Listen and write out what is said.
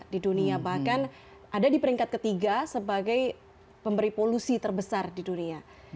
di dunia bahkan ada di peringkat ketiga sebagai pemberi polusi terbesar di dunia